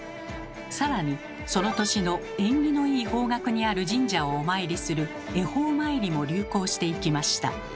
さらにその年の縁起のいい方角にある神社をお参りする「恵方参り」も流行していきました。